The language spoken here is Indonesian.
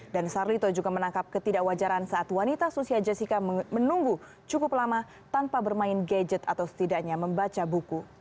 dan sarlito juga menangkap ketidakwajaran saat wanita sosial jessica menunggu cukup lama tanpa bermain gadget atau setidaknya membaca buku